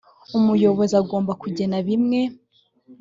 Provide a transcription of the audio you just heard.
umuyobozi agomba kugena bimwe